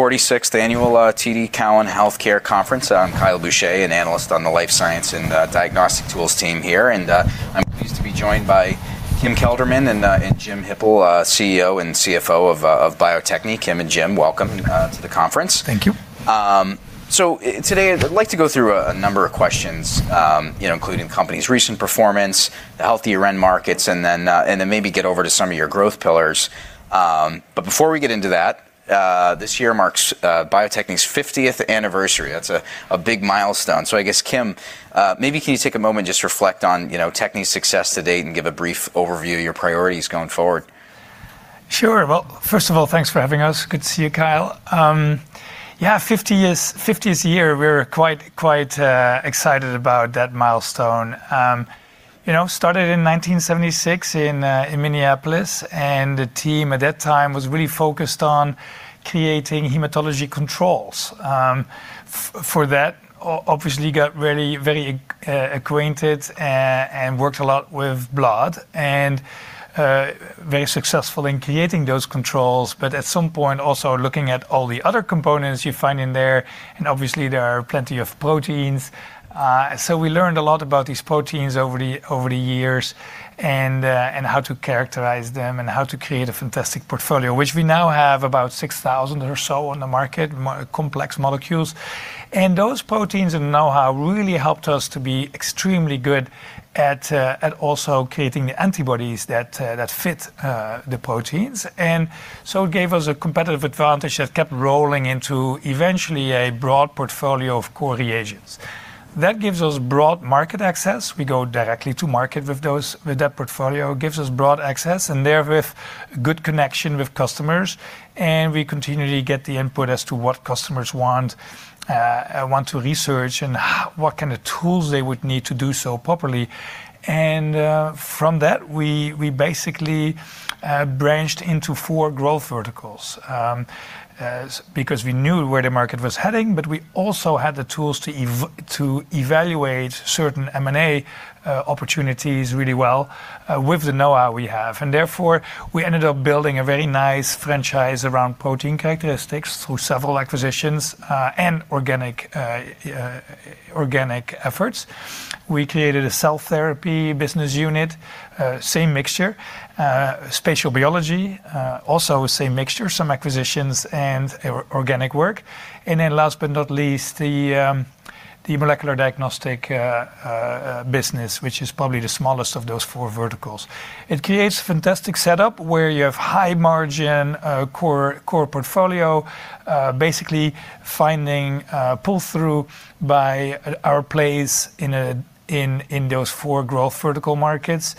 46th Annual TD Cowen Healthcare Conference. I'm Kyle Boucher, an analyst on the life science and diagnostic tools team here. I'm pleased to be joined by Kim Kelderman and Jim Hippel, CEO and CFO of Bio-Techne. Kim and Jim, welcome to the conference. Thank you. Today I'd like to go through a number of questions, you know, including the company's recent performance, the healthier end markets, and then, and then maybe get over to some of your growth pillars. Before we get into that, this year marks Bio-Techne's 50th anniversary. That's a big milestone. I guess, Kim, maybe can you take a moment and just reflect on, you know, Techne's success to date and give a brief overview of your priorities going forward? Sure. Well, first of all, thanks for having us. Good to see you, Kyle. Yeah, 50 years, 50th year, we're quite excited about that milestone. You know, started in 1976 in Minneapolis, and the team at that time was really focused on creating hematology controls. For that, obviously got very acquainted and worked a lot with blood, and very successful in creating those controls, but at some point, also looking at all the other components you find in there, and obviously there are plenty of proteins. We learned a lot about these proteins over the years and how to characterize them and how to create a fantastic portfolio, which we now have about 6,000 or so on the market, complex molecules. Those proteins and know-how really helped us to be extremely good at at also creating the antibodies that that fit the proteins. So it gave us a competitive advantage that kept rolling into eventually a broad portfolio of core reagents. That gives us broad market access. We go directly to market with those, with that portfolio. It gives us broad access and therewith good connection with customers, and we continually get the input as to what customers want want to research, and what kind of tools they would need to do so properly. From that, we basically branched into four growth verticals, because we knew where the market was heading, but we also had the tools to to evaluate certain M&A opportunities really well with the know-how we have. Therefore, we ended up building a very nice franchise around protein characteristics through several acquisitions, and organic efforts. We created a cell therapy business unit, same mixture, spatial biology, also same mixture, some acquisitions and organic work. Last but not least, the molecular diagnostic business, which is probably the smallest of those four verticals. It creates a fantastic setup where you have high margin, core portfolio, basically finding pull-through by our place in those four growth vertical markets,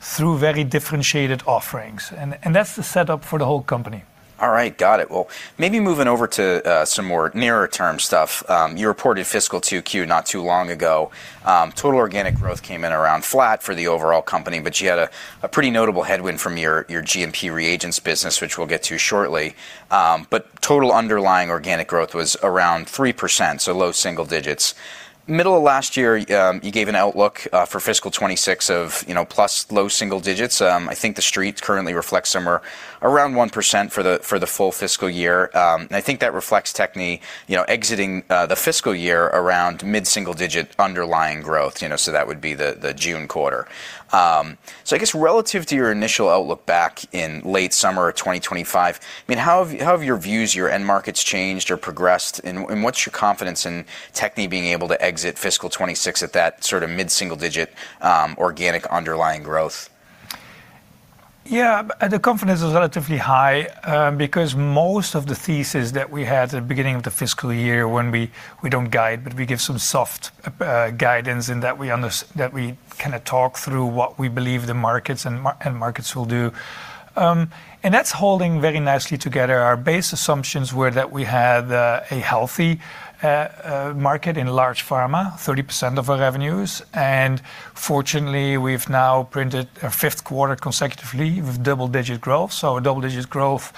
through very differentiated offerings. That's the setup for the whole company. All right. Got it. Well, maybe moving over to some more nearer-term stuff. You reported fiscal 2Q not too long ago. Total organic growth came in around flat for the overall company, but you had a pretty notable headwind from your GMP reagents business, which we'll get to shortly. Total underlying organic growth was around 3%, so low single digits. Middle of last year, you gave an outlook for fiscal 2026 of, you know, plus low single digits. I think the Street currently reflects somewhere around 1% for the full fiscal year. I think that reflects Techne, you know, exiting the fiscal year around mid-single digit underlying growth, you know, so that would be the June quarter. I guess relative to your initial outlook back in late summer 2025, I mean, how have your views, your end markets changed or progressed and what's your confidence in Techne being able to exit fiscal 2026 at that sort of mid-single digit organic underlying growth? Yeah. The confidence is relatively high, because most of the thesis that we had at the beginning of the fiscal year when we don't guide, but we give some soft guidance in that we kinda talk through what we believe the markets and markets will do. That's holding very nicely together. Our base assumptions were that we had a healthy market in large pharma, 30% of our revenues, and fortunately, we've now printed a Q5 consecutively with double-digit growth, so double-digit growth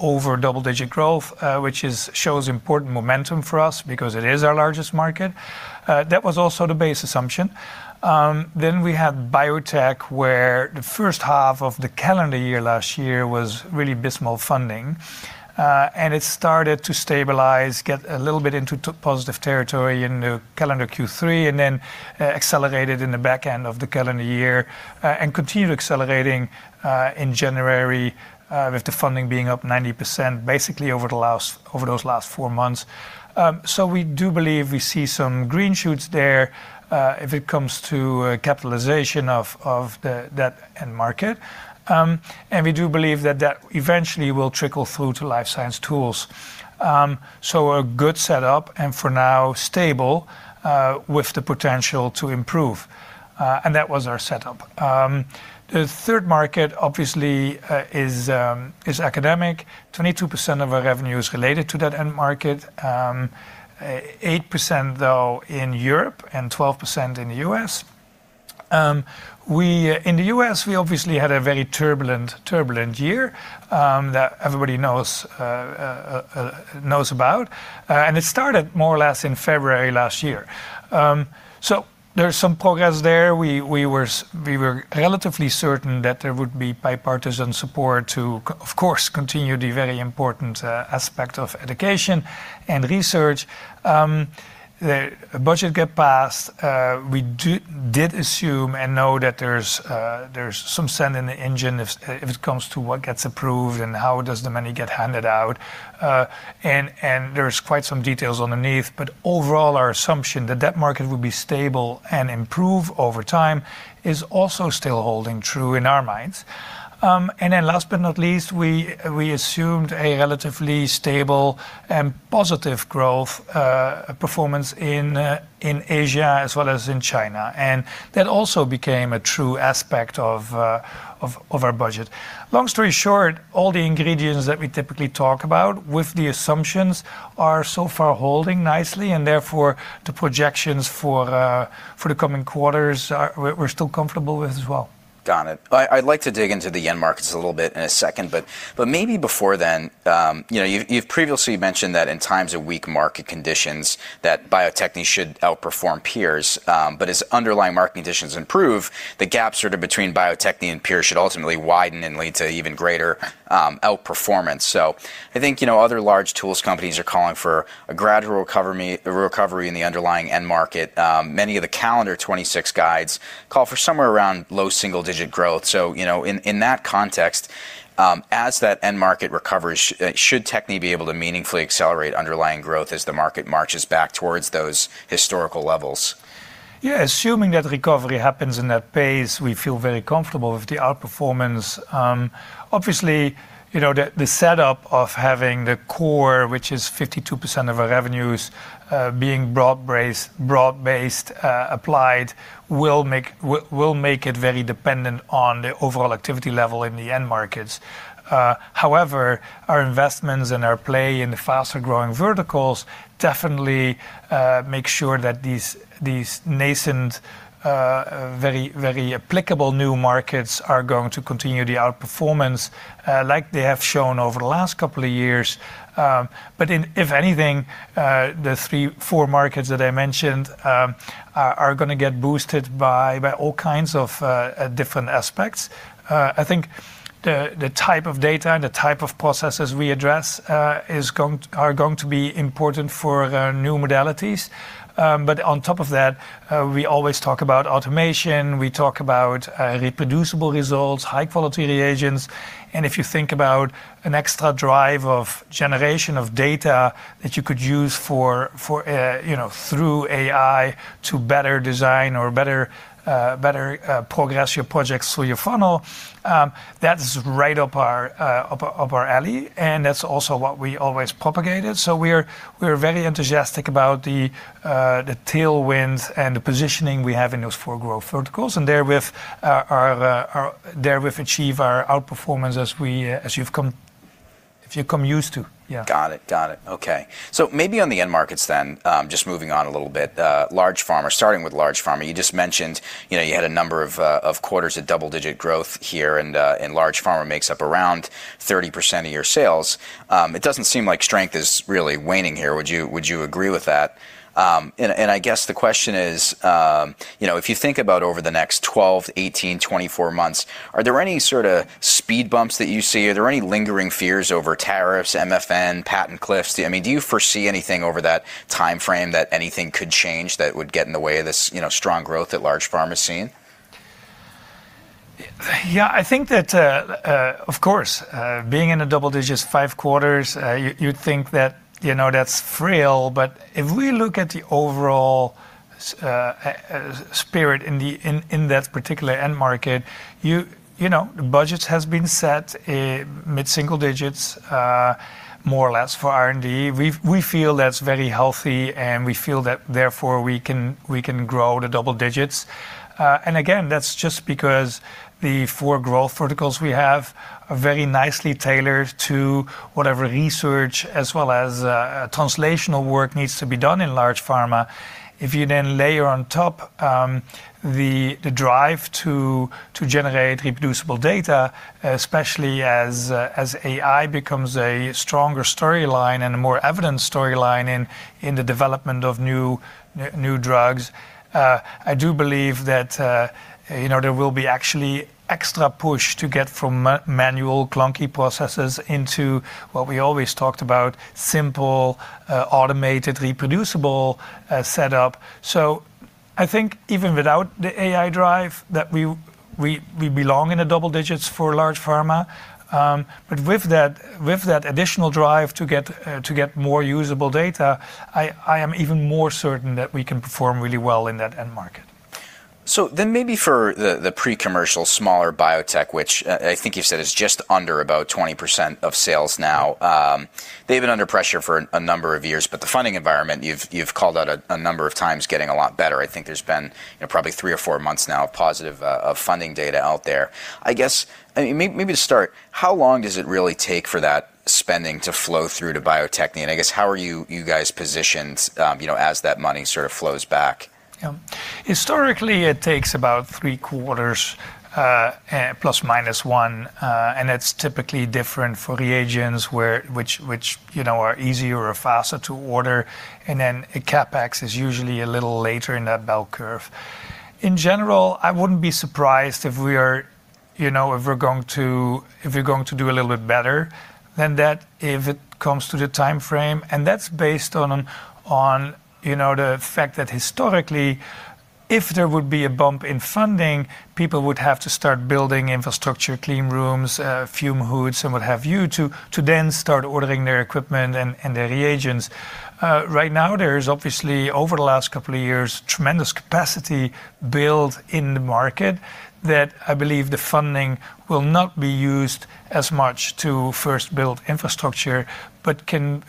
over double-digit growth, which shows important momentum for us because it is our largest market. That was also the base assumption. Then we had biotech, where the first half of the calendar year last year was really abysmal funding, and it started to stabilize, get a little bit into positive territory in the calendar Q3, and accelerated in the back end of the calendar year, and continued accelerating in January, with the funding being up 90% basically over the last, over those last four months. We do believe we see some green shoots there, if it comes to capitalization of the, that end market. We do believe that eventually will trickle through to life science tools. A good setup and for now stable, with the potential to improve. That was our setup. The third market obviously, is academic. 22% of our revenue is related to that end market. 8% though in Europe and 12% in the U.S. In the U.S., we obviously had a very turbulent year that everybody knows about, and it started more or less in February last year. There's some progress there. We were relatively certain that there would be bipartisan support to of course, continue the very important aspect of education and research. The budget get passed, we did assume and know that there's some sand in the engine if it comes to what gets approved and how does the money get handed out, and there's quite some details underneath. Overall, our assumption, the debt market will be stable and improve over time is also still holding true in our minds. Last but not least, we assumed a relatively stable and positive growth performance in Asia as well as in China. That also became a true aspect of our budget. Long story short, all the ingredients that we typically talk about with the assumptions are so far holding nicely, and therefore, the projections for the coming quarters we're still comfortable with as well. Got it. I'd like to dig into the end markets a little bit in a second, but maybe before then, you know, you've previously mentioned that in times of weak market conditions that Bio-Techne should outperform peers. As underlying market conditions improve, the gap sort of between Bio-Techne and peers should ultimately widen and lead to even greater outperformance. I think, you know, other large tools companies are calling for a gradual recovery in the underlying end market. Many of the calendar 2026 guides call for somewhere around low single-digit growth. You know, in that context, as that end market recovers, should Techne be able to meaningfully accelerate underlying growth as the market marches back towards those historical levels? Yeah. Assuming that recovery happens in that pace, we feel very comfortable with the outperformance. Obviously, you know, the setup of having the core, which is 52% of our revenues, being broad-based, applied will make it very dependent on the overall activity level in the end markets. However, our investments and our play in the faster-growing verticals definitely make sure that these nascent, very, very applicable new markets are going to continue the outperformance, like they have shown over the last couple of years. But if anything, the three, four markets that I mentioned are gonna get boosted by all kinds of different aspects. I think the type of data and the type of processes we address are going to be important for the new modalities. On top of that, we always talk about automation, we talk about reproducible results, high-quality reagents. If you think about an extra drive of generation of data that you could use for, you know, through AI to better design or better, progress your projects through your funnel, that's right up our, up our, up our alley, and that's also what we always propagated. We're very enthusiastic about the tailwinds and the positioning we have in those four growth verticals, and therewith achieve our outperformance if you've come used to. Yeah. Got it. Got it. Okay. Maybe on the end markets, just moving on a little bit, large pharma. Starting with large pharma, you just mentioned, you know, you had a number of quarters at double-digit growth here, and large pharma makes up around 30% of your sales. It doesn't seem like strength is really waning here. Would you agree with that? I guess the question is, you know, if you think about over the next 12, 18, 24 months, are there any sort of speed bumps that you see? Are there any lingering fears over tariffs, MFN, patent cliffs? I mean, do you foresee anything over that timeframe that anything could change that would get in the way of this, you know, strong growth that large pharma's seen? Yeah, I think that, of course, being in the double digits five quarters, you'd think that, you know, that's frail. If we look at the overall spirit in that particular end market, you know, budgets has been set in mid-single digits, more or less for R&D. We feel that's very healthy, and we feel that therefore we can grow the double digits. Again, that's just because the four growth verticals we have are very nicely tailored to whatever research as well as, translational work needs to be done in large pharma. If you layer on top, the drive to generate reproducible data, especially as AI becomes a stronger storyline and a more evident storyline in the development of new drugs, I do believe that, you know, there will be actually extra push to get from manual clunky processes into what we always talked about, simple, automated, reproducible setup. I think even without the AI drive that we belong in the double digits for large pharma. With that, with that additional drive to get more usable data, I am even more certain that we can perform really well in that end market. Maybe for the pre-commercial smaller biotech, which, I think you've said is just under about 20% of sales now, they've been under pressure for a number of years, but the funding environment, you've called out a number of times getting a lot better. I think there's been, you know, probably three or four months now of positive of funding data out there. I guess, I mean, maybe to start, how long does it really take for that spending to flow through to Bio-Techne? And I guess, how are you guys positioned, you know, as that money sort of flows back? Yeah. Historically, it takes about three quarters, +/-1, it's typically different for reagents which, you know, are easier or faster to order. A CapEx is usually a little later in that bell curve. In general, I wouldn't be surprised if we are, you know, if we're going to do a little bit better than that if it comes to the timeframe, that's based on, you know, the fact that historically if there would be a bump in funding, people would have to start building infrastructure, clean rooms, fume hoods, and what have you, to then start ordering their equipment and their reagents. Right now there is obviously, over the last couple of years, tremendous capacity built in the market that I believe the funding will not be used as much to first build infrastructure, but can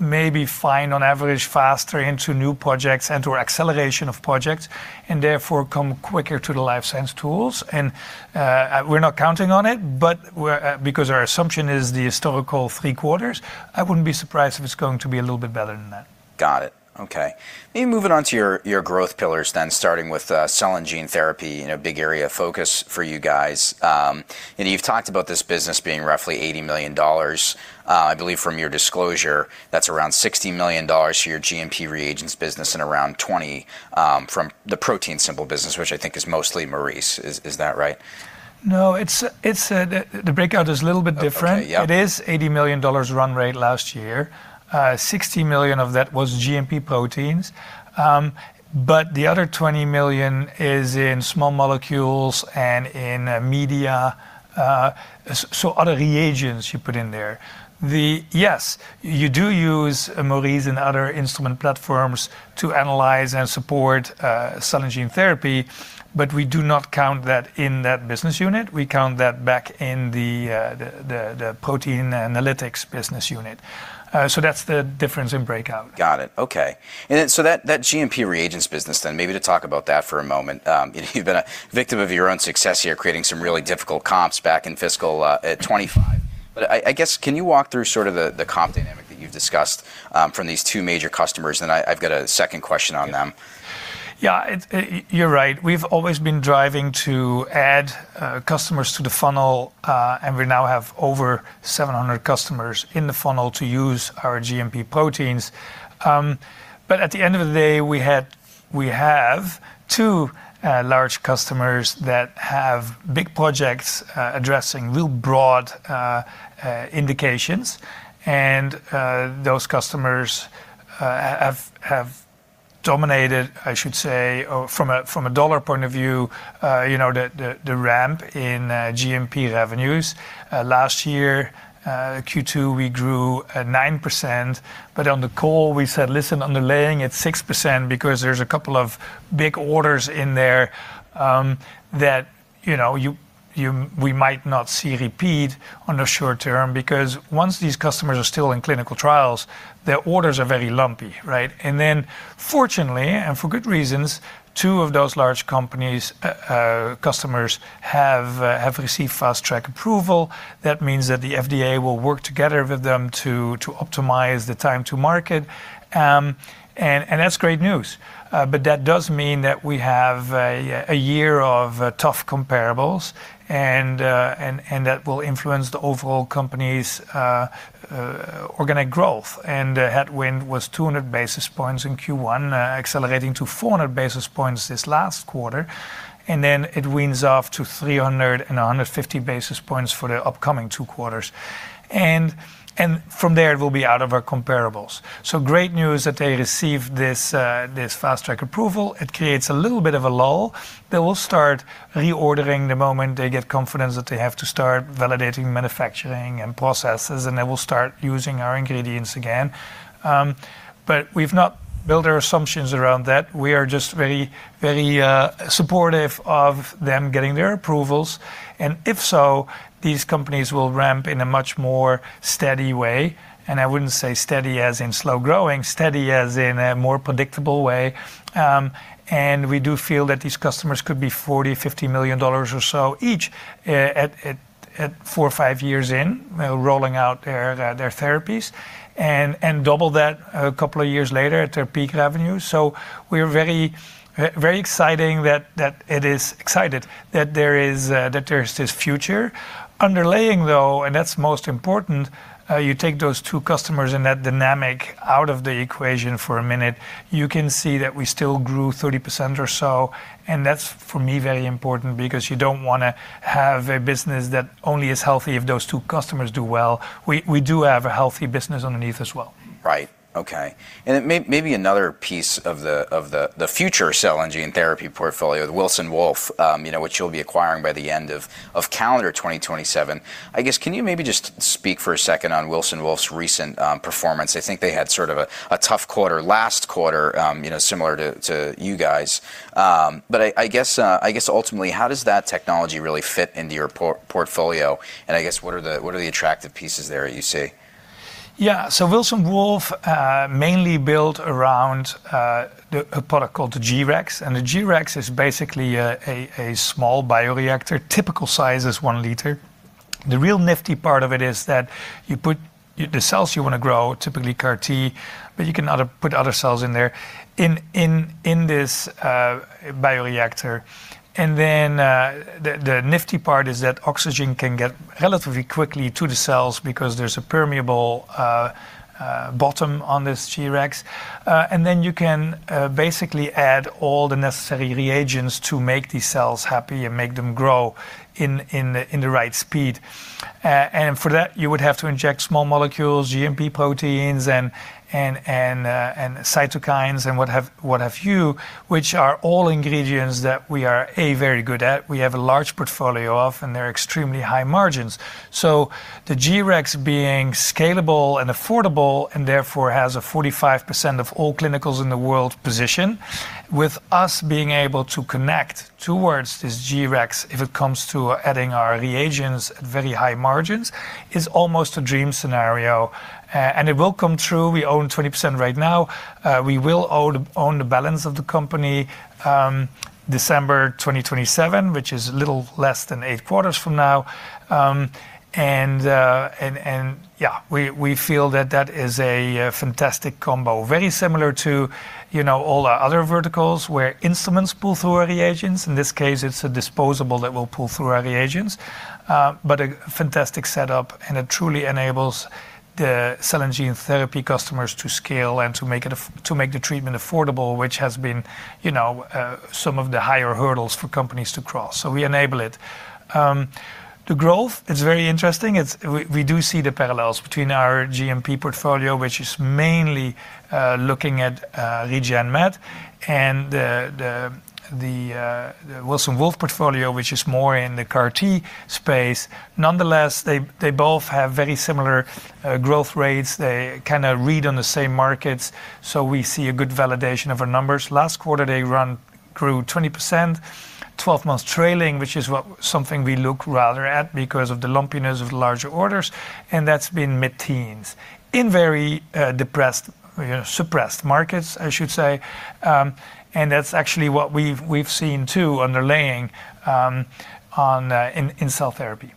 maybe find on average faster into new projects and to acceleration of projects and therefore come quicker to the life science tools. We're not counting on it, but we're because our assumption is the historical three-quarters, I wouldn't be surprised if it's going to be a little bit better than that. Got it. Okay. Maybe moving on to your growth pillars then, starting with cell and gene therapy, you know, a big area of focus for you guys. You've talked about this business being roughly $80 million. I believe from your disclosure that's around $60 million to your GMP reagents business and around 20 from the ProteinSimple business, which I think is mostly Maurice. Is that right? No. It's, the breakout is a little bit different. Okay. Yeah. It is $80 million run rate last year. $60 million of that was GMP proteins, but the other $20 million is in small molecules and in media, so other reagents you put in there. Yes, you do use Maurice and other instrument platforms to analyze and support cell and gene therapy, but we do not count that in that business unit. We count that back in the protein analytics business unit. That's the difference in breakout. Got it. Okay. That GMP reagents business then, maybe to talk about that for a moment. You you've been a victim of your own success here, creating some really difficult comps back in fiscal 2025. I guess can you walk through sort of the comp dynamic that you've discussed, from these two major customers? I've got a second question on them. Yeah. You're right. We've always been driving to add customers to the funnel, and we now have over 700 customers in the funnel to use our GMP proteins. At the end of the day, we have two large customers that have big projects, addressing real broad indications. Those customers have dominated, I should say, or from a dollar point of view, you know, the ramp in GMP revenues. Last year, Q2, we grew at 9%, but on the call we said, "Listen, underlying at 6%," because there's a couple of big orders in there, you know, we might not see repeat on the short term because once these customers are still in clinical trials, their orders are very lumpy, right? Fortunately, and for good reasons, two of those large companies, customers have received Fast Track designation. That means that the FDA will work together with them to optimize the time to market, and that's great news. That does mean that we have a year of tough comparables and that will influence the overall company's organic growth. The headwind was 200 basis points in Q1, accelerating to 400 basis points this last quarter, and then it winds off to 300 and 150 basis points for the upcoming two quarters. From there it will be out of our comparables. Great news that they received this Fast Track designation. It creates a little bit of a lull. They will start reordering the moment they get confidence that they have to start validating manufacturing and processes, and they will start using our ingredients again. We've not built our assumptions around that. We are just very supportive of them getting their approvals, and if so, these companies will ramp in a much more steady way, and I wouldn't say steady as in slow growing, steady as in a more predictable way. We do feel that these customers could be $40 million-$50 million or so each at four or five years in rolling out their therapies and double that a couple of years later at their peak revenue. We're very excited that there is this future. Underlaying, though, and that's most important, you take those two customers and that dynamic out of the equation for a minute, you can see that we still grew 30% or so, and that's, for me, very important because you don't wanna have a business that only is healthy if those two customers do well. We do have a healthy business underneath as well. Right. Okay. Then maybe another piece of the future cell and gene therapy portfolio, the Wilson Wolf, you know, which you'll be acquiring by the end of calendar 2027, I guess can you maybe just speak for a second on Wilson Wolf's recent performance? I think they had sort of a tough quarter last quarter, you know, similar to you guys. I guess ultimately how does that technology really fit into your portfolio, and I guess what are the attractive pieces there you see? Wilson Wolf mainly built around a product called the G-Rex. The G-Rex is basically a small bioreactor. Typical size is one liter. The real nifty part of it is that you put the cells you wanna grow, typically CAR-T, but you can put other cells in there, in this bioreactor. The nifty part is that oxygen can get relatively quickly to the cells because there's a permeable bottom on this G-Rex. You can basically add all the necessary reagents to make these cells happy and make them grow in the right speed. For that, you would have to inject small molecules, GMP proteins and cytokines and what have you, which are all ingredients that we are very good at, we have a large portfolio of, and they're extremely high margins. The G-Rex being scalable and affordable, and therefore has a 45% of all clinicals in the world position, with us being able to connect towards this G-Rex if it comes to adding our reagents at very high margins, is almost a dream scenario. It will come true. We own 20% right now. We will own the balance of the company, December 2027, which is a little less than eight quarters from now. Yeah, we feel that that is a fantastic combo. Very similar to, you know, all our other verticals where instruments pull through our reagents. In this case, it's a disposable that will pull through our reagents. A fantastic setup, and it truly enables the cell and gene therapy customers to scale and to make the treatment affordable, which has been, you know, some of the higher hurdles for companies to cross. We enable it. The growth is very interesting. We do see the parallels between our GMP portfolio, which is mainly looking at Regen Med and the Wilson Wolf portfolio, which is more in the CAR-T space. Nonetheless, they both have very similar growth rates. They kind of read on the same markets, so we see a good validation of our numbers. Last quarter, they grew 20%. 12 months trailing, which is something we look rather at because of the lumpiness of larger orders, and that's been mid-teens in very depressed, suppressed markets, I should say. That's actually what we've seen too underlaying on in cell therapy.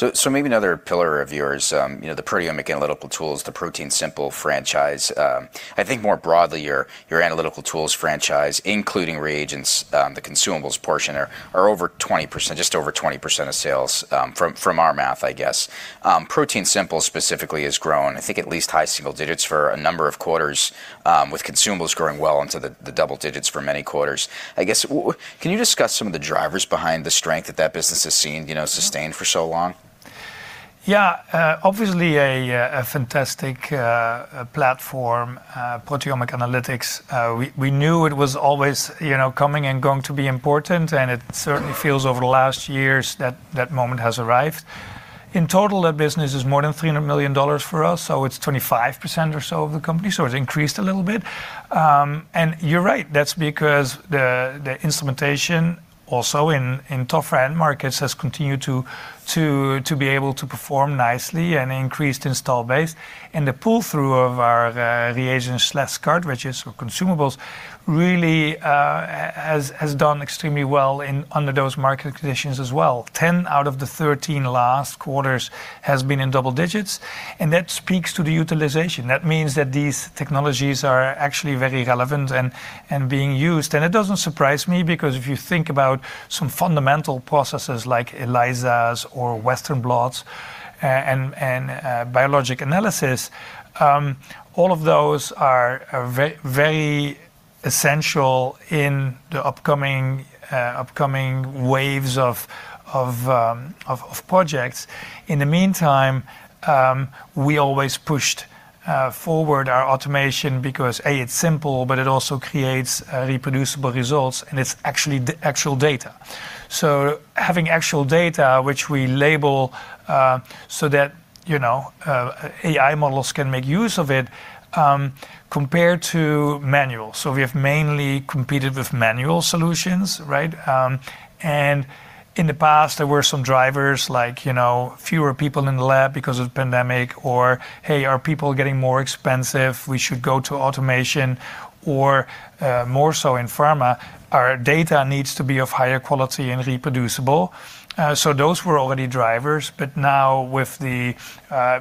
Got it. Maybe another pillar of yours, you know, the proteomic analytical tools, the ProteinSimple franchise, I think more broadly, your analytical tools franchise, including reagents, the consumables portion are just over 20% of sales, from our math, I guess. ProteinSimple specifically has grown, I think at least high single digits for a number of quarters, with consumables growing well into the double digits for many quarters. I guess can you discuss some of the drivers behind the strength that that business has seen, you know, sustained for so long? Yeah. Obviously a fantastic platform, proteomic analytics. We knew it was always, you know, coming and going to be important. It certainly feels over the last years that that moment has arrived. In total, that business is more than $300 million for us, so it's 25% or so of the company, so it's increased a little bit. You're right, that's because the instrumentation also in tougher end markets has continued to be able to perform nicely and increased install base. The pull-through of our reagent/cartridges or consumables really has done extremely well in under those market conditions as well. 10 out of the 13 last quarters has been in double digits, and that speaks to the utilization. That means that these technologies are actually very relevant and being used. It doesn't surprise me because if you think about some fundamental processes like ELISAs or western blots and biologic analysis, all of those are very essential in the upcoming waves of projects. In the meantime, we always pushed forward our automation because, A, it's simple, but it also creates reproducible results, and it's actually the actual data. Having actual data which we label so that, you know, AI models can make use of it, compared to manual. We have mainly competed with manual solutions, right? In the past, there were some drivers like, you know, fewer people in the lab because of pandemic or, hey, are people getting more expensive? We should go to automation or, more so in pharma, our data needs to be of higher quality and reproducible. Those were already drivers. Now with the,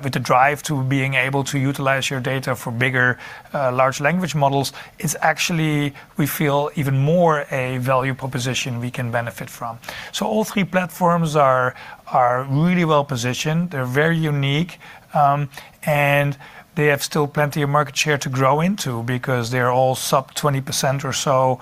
with the drive to being able to utilize your data for bigger, large language models, it's actually we feel even more a value proposition we can benefit from. All three platforms are really well positioned. They're very unique, and they have still plenty of market share to grow into because they're all sub 20% or so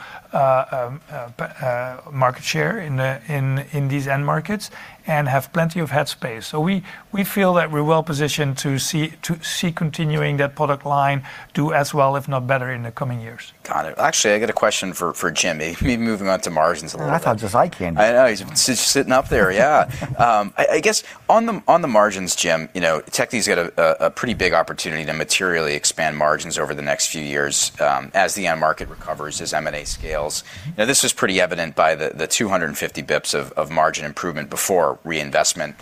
market share in these end markets and have plenty of head space. We feel that we're well positioned to see continuing that product line do as well, if not better in the coming years. Got it. Actually, I got a question for Jim. Maybe moving on to margins a little bit. I thought just I can. I know. He's sitting up there, yeah. I guess on the, on the margins, Jim, you know, Techne's got a pretty big opportunity to materially expand margins over the next few years, as the end market recovers, as M&A scales. This was pretty evident by the 250 basis points of margin improvement before reinvestment,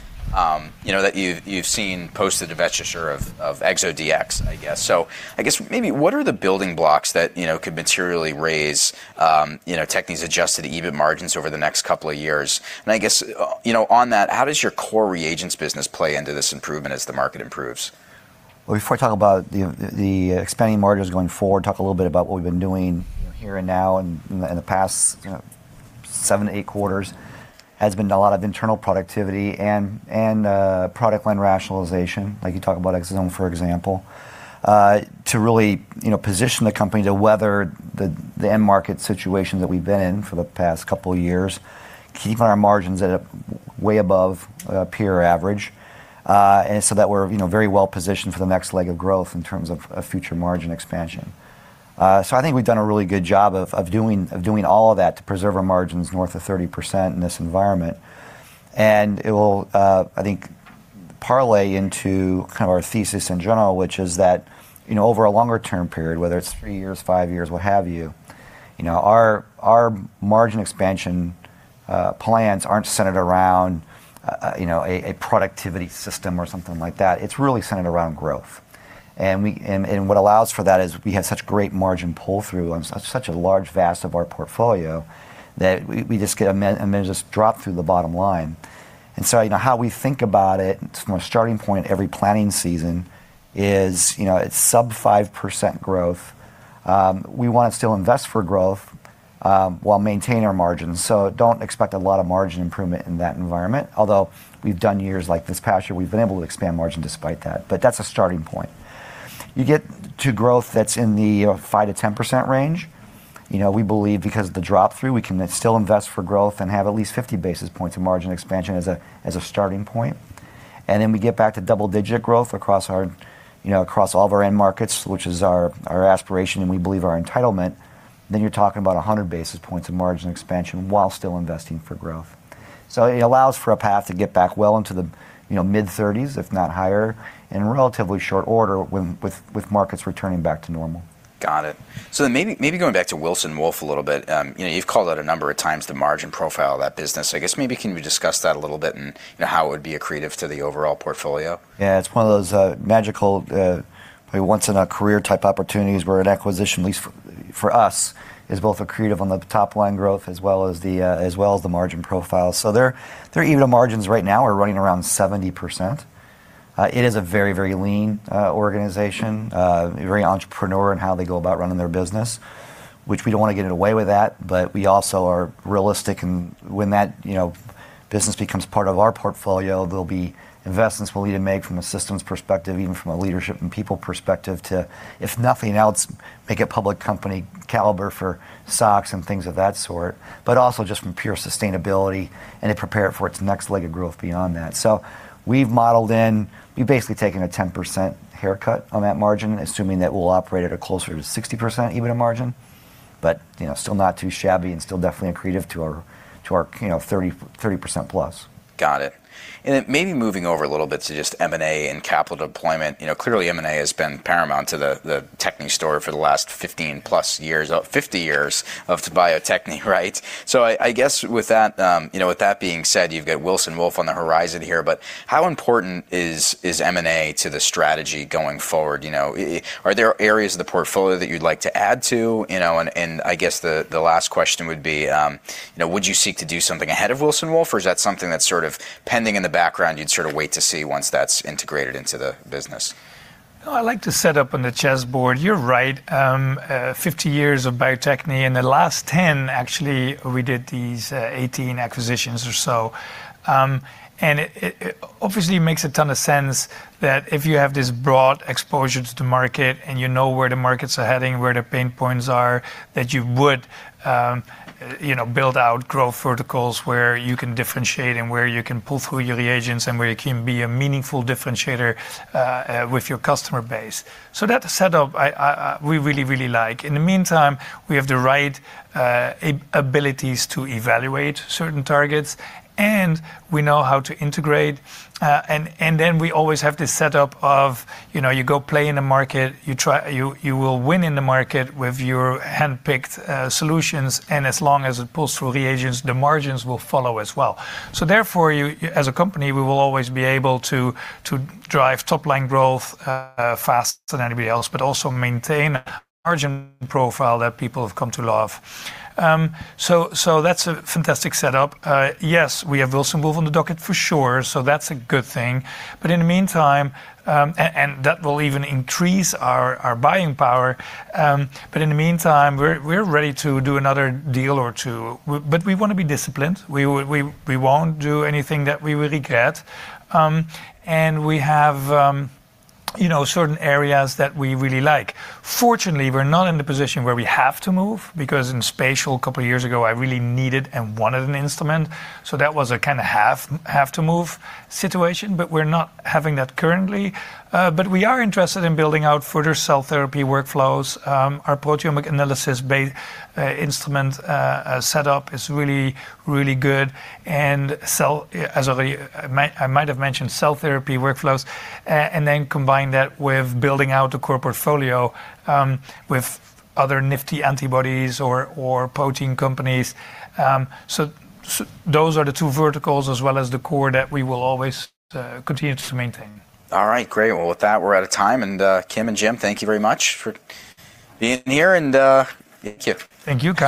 you know, that you've seen post the divestiture of ExoDx, I guess. I guess maybe what are the building blocks that, you know, could materially raise, you know, Techne's adjusted EBIT margins over the next couple of years? I guess, you know, on that, how does your core reagents business play into this improvement as the market improves? Well, before I talk about the expanding margins going forward, talk a little bit about what we've been doing here and now in the past seven to eight quarters has been a lot of internal productivity and product line rationalization, like you talk about Exosome, for example, to really, you know, position the company to weather the end market situation that we've been in for the past two years, keeping our margins at a way above peer average, and so that we're, you know, very well positioned for the next leg of growth in terms of future margin expansion. I think we've done a really good job of doing all of that to preserve our margins north of 30% in this environment. It will, I think, parlay into kind of our thesis in general, which is that, you know, over a longer term period, whether it's three years, five years, what have you know, our margin expansion plans aren't centered around, you know, a productivity system or something like that. It's really centered around growth. What allows for that is we have such great margin pull-through on such a large vast of our portfolio that we just get and then just drop through the bottom line. You know, how we think about it's more starting point every planning season is, you know, it's sub 5% growth. We want to still invest for growth, while maintaining our margins. Don't expect a lot of margin improvement in that environment. We've done years like this past year, we've been able to expand margin despite that. That's a starting point. You get to growth that's in the, you know, 5%-10% range. You know, we believe because of the drop through, we can still invest for growth and have at least 50 basis points of margin expansion as a, as a starting point. We get back to double-digit growth across our, you know, across all of our end markets, which is our aspiration and we believe our entitlement. You're talking about 100 basis points of margin expansion while still investing for growth. It allows for a path to get back well into the, you know, mid-30s, if not higher, in relatively short order when with markets returning back to normal. Got it. Maybe going back to Wilson Wolf a little bit. You know, you've called out a number of times the margin profile of that business. I guess maybe can you discuss that a little bit and, you know, how it would be accretive to the overall portfolio? It's one of those magical once in a career type opportunities where an acquisition, at least for us, is both accretive on the top line growth as well as the margin profile. Their EBITDA margins right now are running around 70%. It is a very, very lean organization, very entrepreneur in how they go about running their business, which we don't want to get in the way with that, but we also are realistic in when that, you know, business becomes part of our portfolio, there'll be investments we'll need to make from a systems perspective, even from a leadership and people perspective to, if nothing else, make a public company caliber for SOX and things of that sort. Also just from pure sustainability and it prepared for its next leg of growth beyond that. We've modeled in, we've basically taken a 10% haircut on that margin, assuming that we'll operate at a closer to 60% EBITDA margin. You know, still not too shabby and still definitely accretive to our, to our, you know, 30%+. Got it. Maybe moving over a little bit to just M&A and capital deployment. You know, clearly M&A has been paramount to the Bio-Techne story for the last 15+ years, 50 years of Bio-Techne, right? I guess with that, you know, with that being said, you've got Wilson Wolf on the horizon here, but how important is M&A to the strategy going forward? You know, are there areas of the portfolio that you'd like to add to? You know, I guess the last question would be, you know, would you seek to do something ahead of Wilson Wolf, or is that something that's sort of pending in the background you'd sort of wait to see once that's integrated into the business? No, I like to set up on the chessboard. You're right. 50 years of Bio-Techne, and the last 10, actually, we did these 18 acquisitions or so. It obviously makes a ton of sense that if you have this broad exposure to market and you know where the markets are heading, where the pain points are, that you would, you know, build out growth verticals where you can differentiate and where you can pull through your reagents and where you can be a meaningful differentiator with your customer base. That setup we really like. In the meantime, we have the right abilities to evaluate certain targets, and we know how to integrate. We always have this setup of, you know, you go play in the market, you try... You will win in the market with your handpicked solutions. As long as it pulls through reagents, the margins will follow as well. Therefore, you, as a company, we will always be able to drive top-line growth faster than anybody else, also maintain a margin profile that people have come to love. That's a fantastic setup. Yes, we have Wilson Wolf on the docket for sure, that's a good thing. In the meantime, that will even increase our buying power. In the meantime, we're ready to do another deal or two. We want to be disciplined. We won't do anything that we will regret. We have, you know, certain areas that we really like. Fortunately, we're not in the position where we have to move because in spatial a couple of years ago, I really needed and wanted an instrument, that was a kind of have to move situation. We're not having that currently. We are interested in building out further cell therapy workflows. Our proteomic analytics-based instrument setup is really, really good. As I might have mentioned, cell therapy workflows, then combine that with building out a core portfolio with other nifty antibodies or protein companies. Those are the two verticals as well as the core that we will always continue to maintain. All right. Great. Well, with that, we're out of time. Kim and Jim, thank you very much for being here and, thank you. Thank you, Kyle.